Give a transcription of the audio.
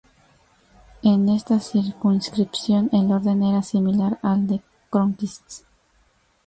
En esta circunscripción el orden era similar al de Cronquist.